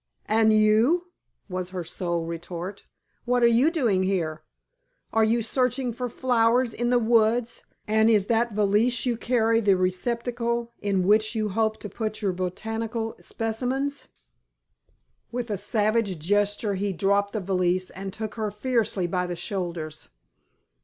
"And you?" was her sole retort; "what are you doing here? Are you searching for flowers in the woods, and is that valise you carry the receptacle in which you hope to put your botanical specimens?" With a savage gesture he dropped the valise and took her fiercely by the shoulders.